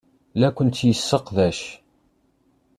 La kent-yesseqdac.